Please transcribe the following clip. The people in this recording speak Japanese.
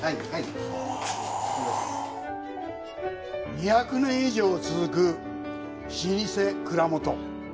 ２００年以上続く老舗蔵元。